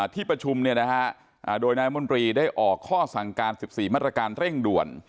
ที่ประชุมโดยนายมนตรีได้ออกข้อสั่งการ๑๔มาตรการเร่งด่วน